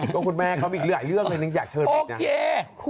ก็คุณแม่เขามีอีกหลายเรื่องเลยหนึ่งอยากเชิญบอกนะ